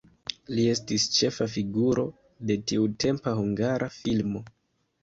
Li estis ĉefa figuro de tiutempa hungara filmo.